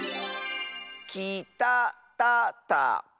「きたたたか」！